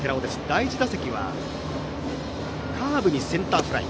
第１打席はカーブにセンターフライ。